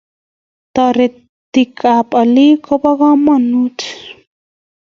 Taretik ab alikek koba kamanutik